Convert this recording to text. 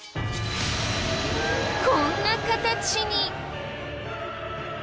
こんな形に！